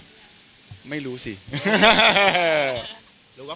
ของขวัญรับปริญญา